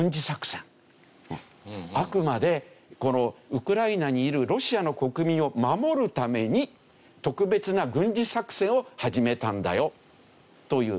あくまでこのウクライナにいるロシアの国民を守るために特別な軍事作戦を始めたんだよという。